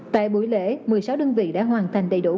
tại buổi lễ một mươi sáu đơn vị đã hoàn thành đầy đủ